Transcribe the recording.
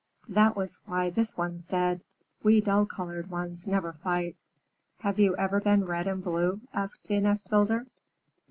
That was why this one said, "We dull colored ones never fight." "Have you ever been red and blue?" asked the nest builder.